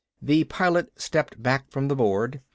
The Pilot stepped back from the board.